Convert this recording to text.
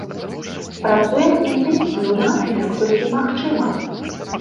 Працуем інтэнсіўна як толькі магчыма.